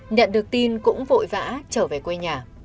nhận được tin cũng vội vã trở về quê nhà